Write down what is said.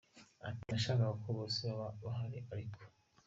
Ati, Nashakaga ko bose baba bahari ariko.